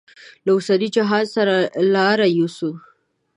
له اوسني جهان سره لاره یوسو.